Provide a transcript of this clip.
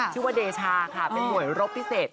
ชื่อว่าเดชาค่ะเป็นหน่วยรบพิเศษ